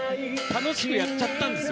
楽しくやっちゃったんですよ。